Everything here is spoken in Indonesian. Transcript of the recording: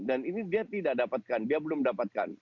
dan ini dia tidak dapatkan dia belum dapatkan